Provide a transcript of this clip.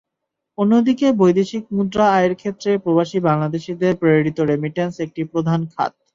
অন্যদিকে বৈদেশিক মুদ্রা আয়ের ক্ষেত্রে প্রবাসী বাংলাদেশিদের প্রেরিত রেমিট্যান্স একটি প্রধান খাত।